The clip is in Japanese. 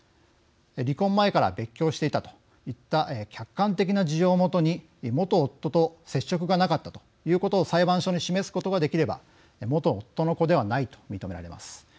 離婚前から別居をしていたといった客観的な事情を基に元夫と接触がなかったということを裁判所に示すことができれば元夫の子ではないと認められます。